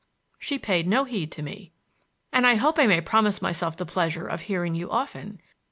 She paid no heed to me. "And I hope I may promise myself the pleasure of hearing you often."